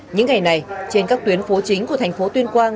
những ngày này trên các tuyến phố chính của thành phố tuyên quang